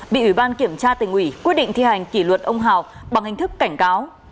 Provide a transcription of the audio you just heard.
bị ủy ban kiểm tra tỉnh ủy quyết định thi hành kỷ luật ông hào bằng hình thức cảnh cáo